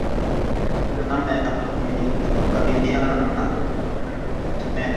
Namna ya kukabiliana na kimeta